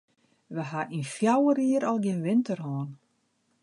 Wy hawwe yn fjouwer jier al gjin winter hân.